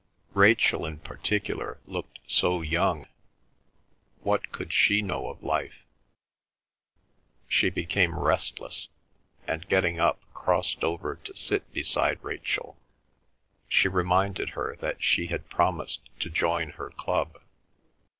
Rachel in particular looked so young—what could she know of life? She became restless, and getting up, crossed over to sit beside Rachel. She reminded her that she had promised to join her club.